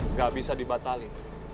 nggak bisa dibatalin